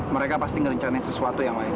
mereka pasti ngerencanain sesuatu yang lain